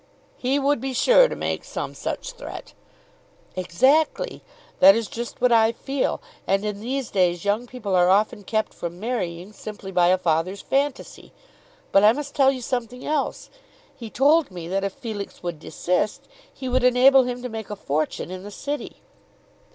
"He would be sure to make some such threat." "Exactly. That is just what I feel. And in these days young people are not often kept from marrying simply by a father's fantasy. But I must tell you something else. He told me that if Felix would desist, he would enable him to make a fortune in the city."